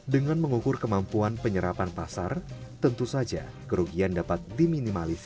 dengan mengukur kemampuan penyerapan pasar tentu saja kerugian dapat diminimalisir